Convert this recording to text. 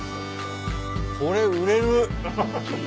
これ売れる。